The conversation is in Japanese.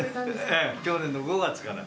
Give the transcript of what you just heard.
ええ去年の５月から。